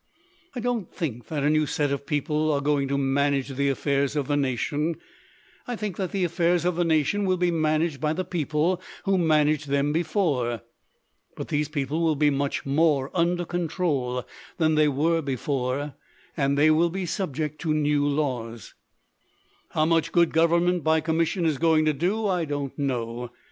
"I don't think that a new set of people are going to manage the affairs of the nation. I think that the affairs of the nation will be man aged by the people who managed them before. But these people will be much more under con trol than they were before, and they will be sub ject to new laws. "How much good government by commission is going to do I don't know.